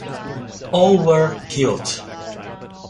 All were killed.